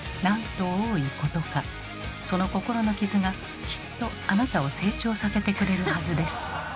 その心の傷がきっとあなたを成長させてくれるはずです。